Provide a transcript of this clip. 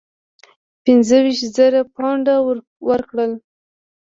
پنځه ویشت زره پونډه ورکړل.